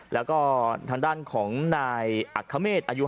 แล้วก็ทางด้านของนายอักขเมษอายุ